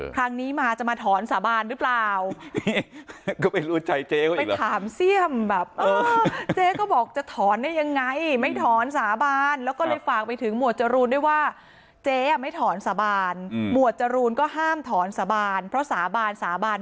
ครั้งนี้มาจะมาถอนสาบานหรือเปล่า